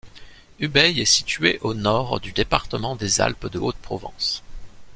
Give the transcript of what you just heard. Ubaye est située au nord du département des Alpes-de-Haute-Provence.